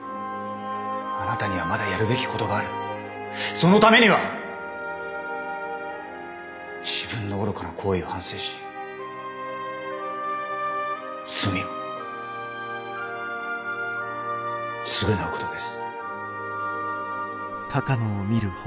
そのためには自分の愚かな行為を反省し罪を償うことです。